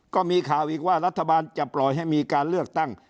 ก็มีข่าวอีกว่ารัฐบาลจะปล่อยให้มีการเลือกตั้ง